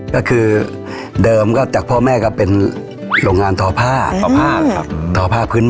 ก็คือเดิมจากพ่อแม่เป็นโรงงานทอภาษณ์